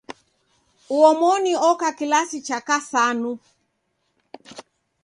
Uomoni oka kilasi cha kasanu.